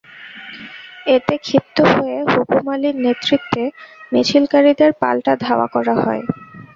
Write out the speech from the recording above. এতে ক্ষিপ্ত হয়ে হুকুম আলীর নেতৃত্বে মিছিলকারীদের পাল্টা ধাওয়া করা হয়।